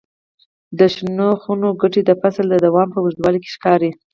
د شنو خونو ګټې د فصل د دوام په اوږدوالي کې ښکاري.